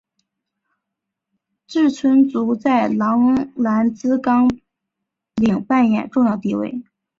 志村簇在郎兰兹纲领扮演重要地位。